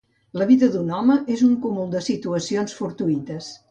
La vida d'un home és un cúmul de situacions fortuïtes.